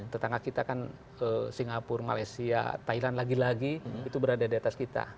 tetangga kita kan singapura malaysia thailand lagi lagi itu berada di atas kita